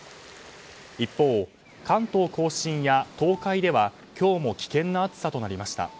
一方、関東・甲信や東海では今日も危険な暑さとなりました。